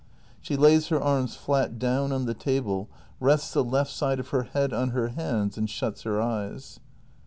[She lays her arms flat down on the table, rests the left side of her head on her hands, and shuts her eyes.